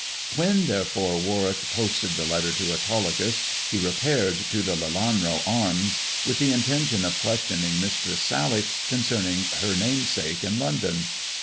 When, therefore, Warwick posted the letter to Autolycus, he repaired to the "Lelanro Arms" with the intention of questioning Mistress Sally concerning her namesake in London.